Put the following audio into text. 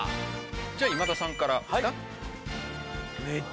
じゃあ今田さんから。